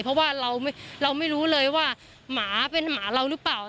เพราะว่าเราไม่รู้เลยว่าหมาเป็นหมาเราหรือเปล่า